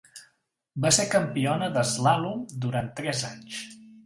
Va ser campiona d'eslàlom durant tres anys.